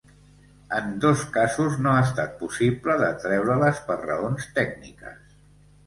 En dos casos no ha estat possible de treure-les per raons tècniques.